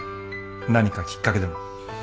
何かきっかけでも？